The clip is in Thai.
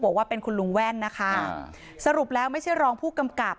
บอกว่าเป็นคุณลุงแว่นนะคะสรุปแล้วไม่ใช่รองผู้กำกับ